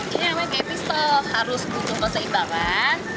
ini yang paling epis tuh harus kucung ke seintaman